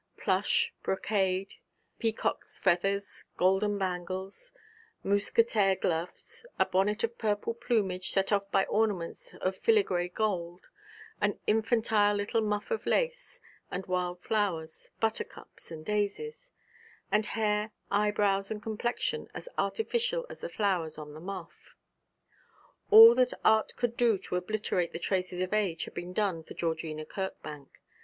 Plush, brocade, peacock's feathers, golden bangles, mousquetaire gloves, a bonnet of purple plumage set off by ornaments of filagree gold, an infantine little muff of lace and wild flowers, buttercups and daisies; and hair, eyebrows and complexion as artificial as the flowers on the muff. All that art could do to obliterate the traces of age had been done for Georgina Kirkbank.